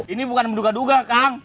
ini bukan menduga duga kang